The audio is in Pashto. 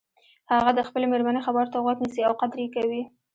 هغه د خپلې مېرمنې خبرو ته غوږ نیسي او قدر یی کوي